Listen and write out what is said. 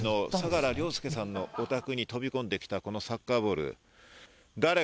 こちら、あおば団地の相良凌介さんのお宅に飛び込んできたこのサッカーボール。